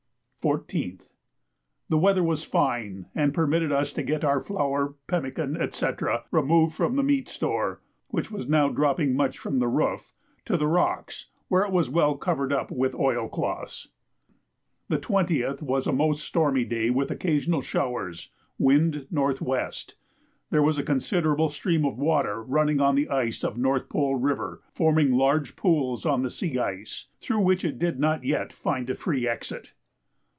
14th. The weather was fine and permitted us to get our flour, pemmican, &c., removed from the meat store (which was now dropping much from the roof) to the rocks, where it was well covered up with oilcloths. The 20th was a most stormy day with occasional showers wind N.W. There was a considerable stream of water running on the ice of North Pole River, forming large pools on the sea ice, through which it did not yet find a free exit.